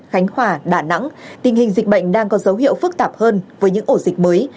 khánh hòa đà nẵng tình hình dịch bệnh đang có dấu hiệu phức tạp hơn với những ổ dịch mới